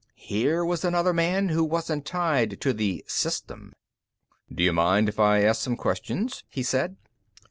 Here was another man who wasn't tied to the "system." "D'you mind if I ask some questions?" he said.